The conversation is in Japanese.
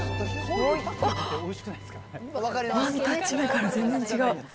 あっ、ワンタッチ目から全然違う。